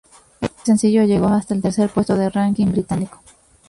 Este sencillo llegó hasta el tercer puesto del ranking británico.